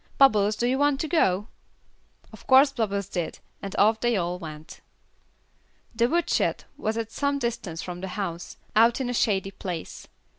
Bubbles, do you want to go?" Of course Bubbles did, and off they all went. The woodshed was at some distance from the house, out in a shady place.